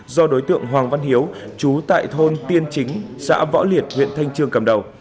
do đối tượng hoàng văn hiếu chú tại thôn tiên chính xã võ liệt huyện thanh trương cầm đầu